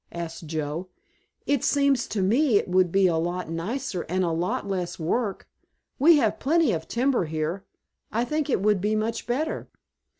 asked Joe. "It seems to me it would be a lot nicer, and a lot less work. We have plenty of timber here. I think it would be much better."